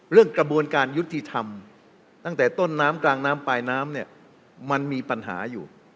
กระบวนการยุติธรรมตั้งแต่ต้นน้ำกลางน้ำปลายน้ำเนี่ยมันมีปัญหาอยู่